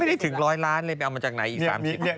ไม่ได้ถึง๑๐๐ล้านเลยจะเอามาจากไหนอีก๓๐